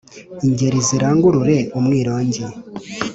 Ingeri zirangurure umwirongi